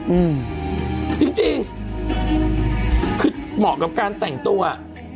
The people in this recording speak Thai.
อืมจริงคือเหมาะกับการแต่งตัวอ่ะ